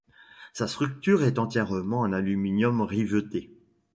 Sa structure est entièrement en aluminium riveté.